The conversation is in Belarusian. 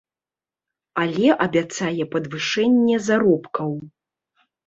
Але абяцае падвышэнне заробкаў.